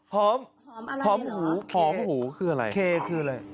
หอมอะไรหอมหูหอมหูคืออะไร